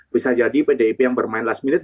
bisa jadi pdip yang bermain last minute